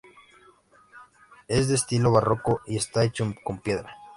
Es de estilo barroco y está hecho con piedra.